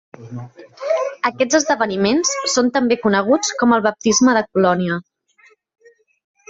Aquests esdeveniments són també coneguts com el baptisme de Polònia.